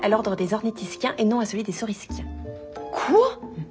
うん。